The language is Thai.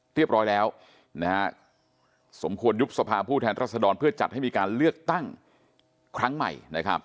เรียบร้อยแล้วสมควรยุบสภาผู้แทนรัศดรเพื่อจัดให้มีการเลือกตั้งครั้งใหม่